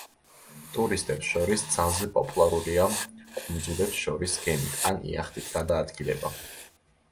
ტურისტებს შორის ძალზე პოპულარულია კუნძულებს შორის გემით ან იახტით გადაადგილება.